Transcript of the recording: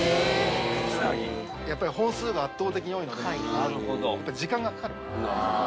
やっぱり本数が圧倒的に多いので時間がかかる。